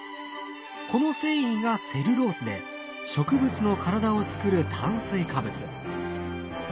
この繊維がセルロースで植物の体をつくる炭水化物。